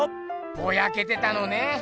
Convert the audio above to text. ボヤけてたのね。